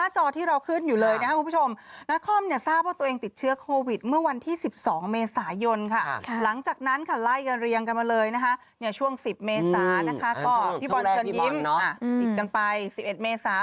ก็พี่บอลเตินยิ้มติดกันไป๑๑เมษา